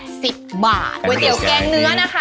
ก๋วยเตี๋ยวแกงเนื้อนะครับ